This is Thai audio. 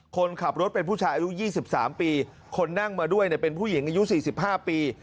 คนขับรถเป็นผู้ชายอายุ๒๓ปีคนนั่งมาด้วยเป็นผู้หญิงอายุ๔๕ปี